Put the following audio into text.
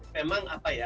memang apa ya